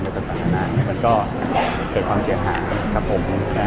แล้วก็เกิดความเสียหายครับผม